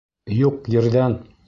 Юҡ ерҙән!..